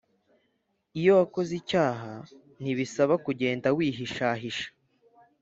Iyo uwakoze icyaha ntibisaba kugenda wihishahisha